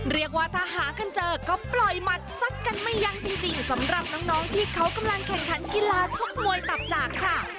เรียกว่าถ้าหากันเจอก็ปล่อยหมัดซัดกันไม่ยั้งจริงสำหรับน้องที่เขากำลังแข่งขันกีฬาชกมวยตับจากค่ะ